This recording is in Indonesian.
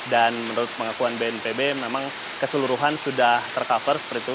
dan menurut pengakuan bnpb memang keseluruhan sudah ter cover seperti itu